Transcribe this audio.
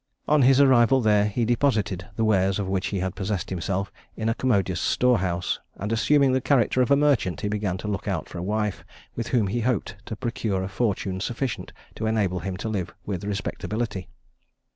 On his arrival there, he deposited the wares of which he had possessed himself in a commodious storehouse, and assuming the character of a merchant, he began to look out for a wife, with whom he hoped to procure a fortune sufficient to enable him to live with respectability.